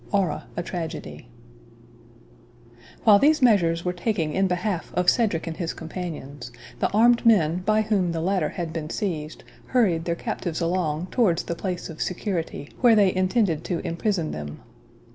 ORRA, A TRAGEDY While these measures were taking in behalf of Cedric and his companions, the armed men by whom the latter had been seized, hurried their captives along towards the place of security, where they intended to imprison them.